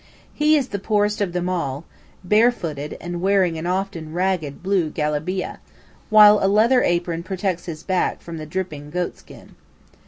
He is the poorest of them all, barefooted and wearing an often ragged blue gelabieh, while a leather apron protects his back from the dripping goat skin.